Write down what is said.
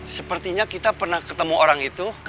sepertinya kita pernah ketemu orang itu